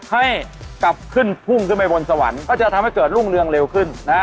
ให้กลับขึ้นพุ่งขึ้นไปบนสวรรค์ก็จะทำให้เกิดรุ่งเรืองเร็วขึ้นนะฮะ